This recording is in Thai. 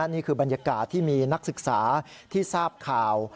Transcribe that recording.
นี่คือบรรยากาศที่มีนักศึกษาที่ทราบข่าว